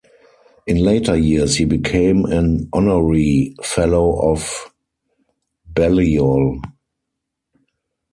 In later years he became an Honorary Fellow of Balliol.